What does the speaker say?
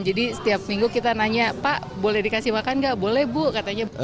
jadi setiap minggu kita nanya pak boleh dikasih makan nggak boleh bu katanya